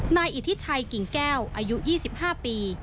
นายอิทธิชัยกิ่งแก้วอายุ๒๕ปี